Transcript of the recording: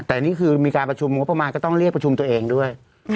แต่นี่คือมีการประชุมงบประมาณก็ต้องเรียกประชุมตัวเองด้วย